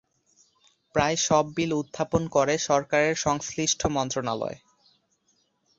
প্রায় সব বিল উত্থাপন করে সরকারের সংশ্লিষ্ট মন্ত্রণালয়।